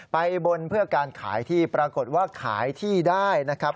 ไปบนเพื่อการขายที่ปรากฏว่าขายที่ได้นะครับ